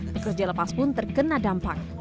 pekerja lepas pun terkena dampak